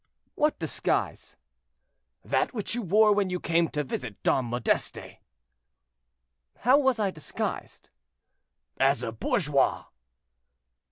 "What disguise?" "That which you wore when you came to visit Dom Modeste." "How was I disguised?" "As a bourgeois."